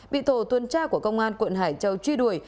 bị tổ tuần tra của công an quận hải châu truy đuổi